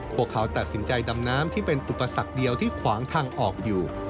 พวกเขาตัดสินใจดำน้ำที่เป็นอุปสรรคเดียวที่ขวางทางออกอยู่